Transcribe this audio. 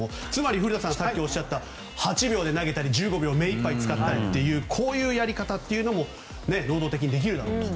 古田さんがさっきおっしゃった８秒で投げたり１５秒めいっぱい使ったりというやり方も能動的にできるだろうと。